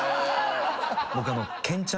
僕。